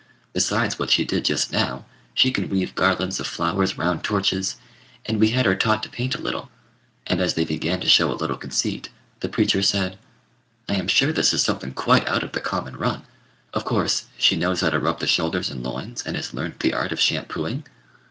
Besides what she did just now, she can weave garlands of flowers round torches, and we had her taught to paint a little;" and as they began to show a little conceit, the preacher said "I am sure this is something quite out of the common run. Of course she knows how to rub the shoulders and loins, and has learnt the art of shampooing?"